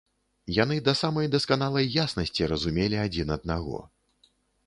Яны да самай дасканалай яснасці разумелі адзін аднаго.